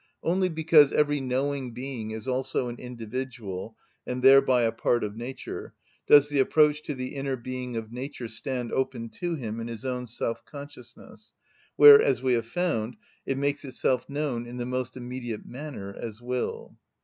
Only because every knowing being is also an individual, and thereby a part of nature, does the approach to the inner being of nature stand open to him in his own self‐consciousness, where, as we have found, it makes itself known in the most immediate manner as will.